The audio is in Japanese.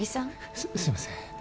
すすいません